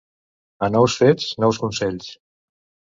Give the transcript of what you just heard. A nous fets, nous consells.